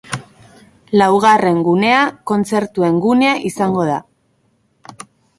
Laugarren gunea kontzertuen gunea izango da.